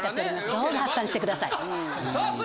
どうぞ発散してください。